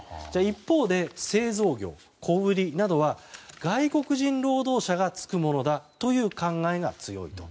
一方で、製造業、小売りなどは外国人労働者が就くものだという考えが強いと。